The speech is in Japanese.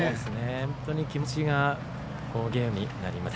本当に気持ちが動かされる好ゲームになりました。